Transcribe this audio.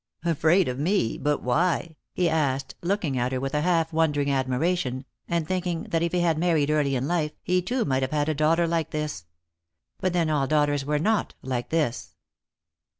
" Afraid of me ! But why ?" he asked, looking at her with a half wondering admiration, and thinking that if he had married early in life, he too might have had a daughter like this. But then all daughters were not like this.